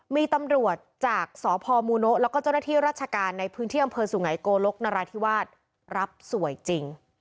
มีตำรวจจากสพมูโนะแล้วก็เจ้าหน้าที่ราชการในพื้นที่อำเภอสุไงโกลกนราธิวาสรับสวยจริง